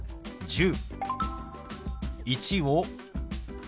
「１０」。